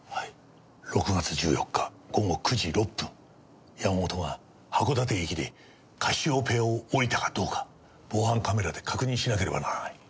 ６月１４日午後９時６分山本が函館駅でカシオペアを降りたかどうか防犯カメラで確認しなければならない。